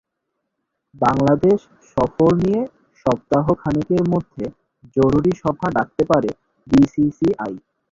বাংলাদেশ সফর নিয়ে সপ্তাহ খানেকের মধ্যে জরুরি সভা ডাকতে পারে বিসিসিআই।